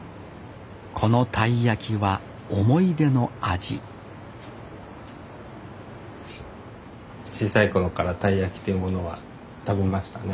このたい焼きは思い出の味小さい頃からたい焼きというものは食べましたね。